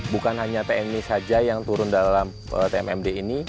bukan hanya tni saja yang turun dalam tmmd ini